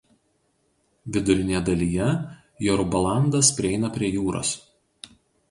Vidurinėje dalyje Jorubalandas prieina prie jūros.